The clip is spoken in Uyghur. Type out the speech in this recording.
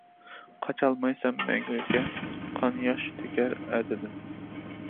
قاچالمايسەن مەڭگۈگە، قان ياش تۆكەر ئەتىدىن!